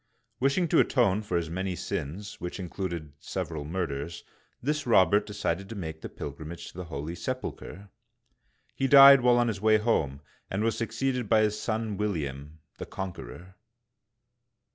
Wishing to atone for his many sins, — which included several murders, — this Robert decided to make a pilgrimage to the Holy Sepulcher. He died while on his way home, and was suc ceeded by his son William ^the Conqueror).